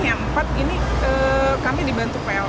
yang empat ini kami dibantu pln